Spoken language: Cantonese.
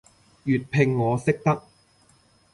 粵拼我識得